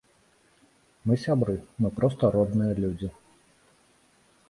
Мы сябры, мы проста родныя людзі.